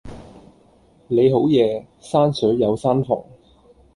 你好嘢，山水有山逢